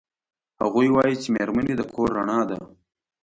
هغوی وایي چې میرمنې د کور رڼا ده